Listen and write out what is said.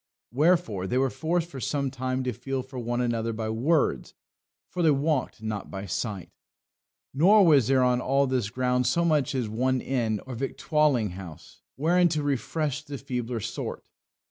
Wherefore they were forced for some time to feel for one another by words, for they walked not by sight. Nor was there on all this ground so much as one inn or victualling house wherein to refresh the feebler sort.